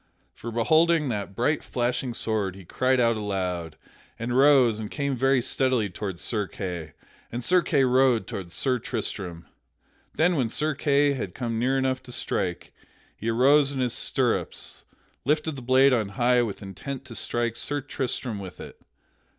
For beholding that bright flashing sword he cried out aloud and arose and came very steadily toward Sir Kay, and Sir Kay rode toward Sir Tristram. Then when Sir Kay had come near enough to strike, he arose in his stirrups and lifted the blade on high with intent to strike Sir Tristram with it.